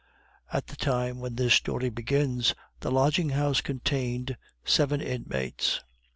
At the time when this story begins, the lodging house contained seven inmates.